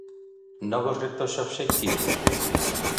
Novos retos e obxectivos?